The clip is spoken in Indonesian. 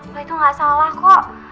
wah itu gak salah kok